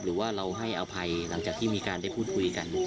หรือว่าเราให้อภัยหลังจากที่มีการได้พูดคุยกัน